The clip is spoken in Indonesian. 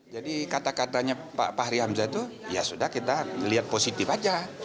jadi kata katanya pak fahri hamzah itu ya sudah kita lihat positif saja